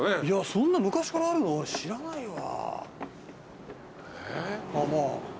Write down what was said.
そんな昔からあるの知らないわ。